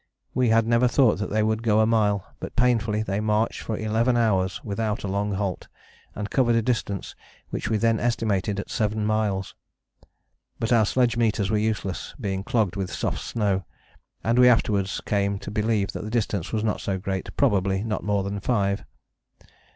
We had never thought that they would go a mile: but painfully they marched for eleven hours without a long halt, and covered a distance which we then estimated at seven miles. But our sledge meters were useless being clogged with the soft snow, and we afterwards came to believe the distance was not so great: probably not more than five.